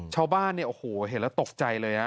ชาวบ้านเนี่ยโอ้โหเห็นแล้วตกใจเลยฮะ